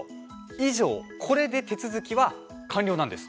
以上これで手続きは完了なんです。